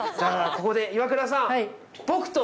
ここでイワクラさん